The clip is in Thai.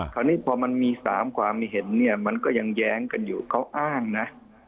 คราวนี้พอมันมี๓ความเห็นเนี่ยมันก็ยังแย้งกันอยู่เขาอ้างนะ